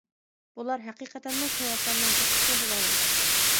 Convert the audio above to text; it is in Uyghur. بۇلار ھەقىقەتەنمۇ سەۋەبلەرنىڭ بىر قىسمى بولالايدۇ.